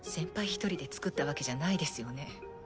一人で造ったわけじゃないですよね？